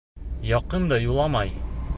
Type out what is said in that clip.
Яҡын да юламай.